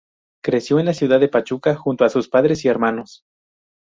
Creció en la Ciudad de Pachuca junto a sus padres y hermanos.